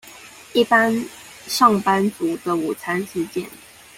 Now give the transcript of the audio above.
一般上班族的午餐時間